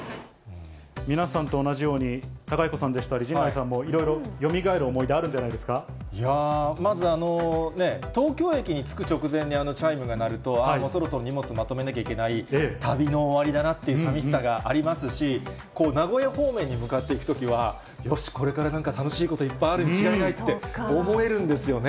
皆さんと同じように、貴彦さんであったり、陣内さんもいろいろよみがえる思い出、いやぁ、まず東京駅に着く直前にあのチャイムが鳴ると、ああ、そろそろ荷物まとめなきゃいけない、旅の終わりだなっていうさみしさがありますし、名古屋方面に向かっていくときは、よし、これからなんか楽しいこといっぱいあるに違いないって思えるんですよね。